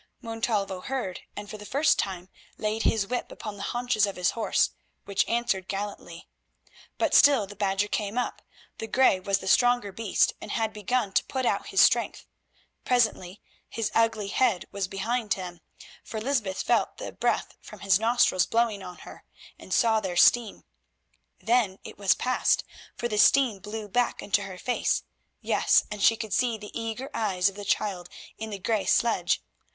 Montalvo heard, and for the first time laid his whip upon the haunches of his horse, which answered gallantly. But still the Badger came up. The grey was the stronger beast, and had begun to put out his strength. Presently his ugly head was behind them, for Lysbeth felt the breath from his nostrils blowing on her, and saw their steam. Then it was past, for the steam blew back into her face; yes, and she could see the eager eyes of the child in the grey sledge.